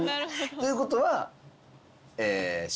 ということは。